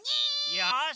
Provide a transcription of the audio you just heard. よし！